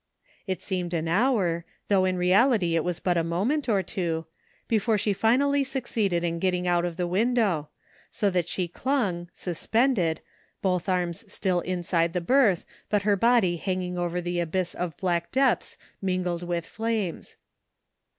It seemed an hour, though in reality it was but a moment or two, before she finally succeeded in getting out of the window, so that she clung, suspended, both arms still inside the berth, but her body hanging over the abyss of black depths mingled with flames.